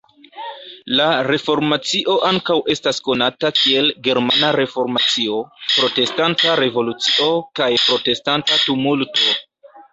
La Reformacio ankaŭ estas konata kiel "Germana Reformacio", "Protestanta Revolucio" kaj "Protestanta Tumulto".